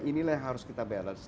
inilah yang harus kita balance